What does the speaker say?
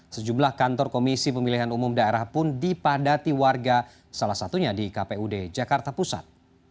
sejumlah kantor komisi pemilihan umum daerah pun dipadati warga salah satunya di kpud jakarta pusat